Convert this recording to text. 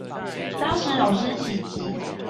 當時老師提及